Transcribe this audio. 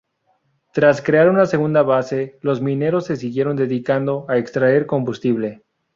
Tras crear una segunda base, los mineros se siguieron dedicando a extraer combustible.